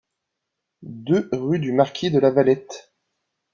deux rue du Marquis de la Valette